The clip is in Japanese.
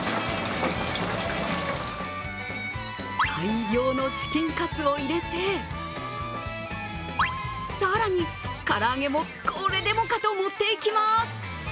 大量のチキンカツを入れて更に唐揚げもこれでもかと盛っていきます。